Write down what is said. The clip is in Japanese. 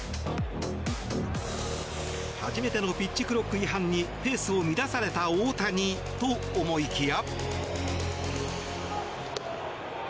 初めてのピッチクロック違反にペースを乱された大谷と思いきや。